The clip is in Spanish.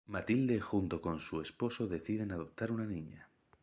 Matilde junto con su esposo deciden adoptar a una niña.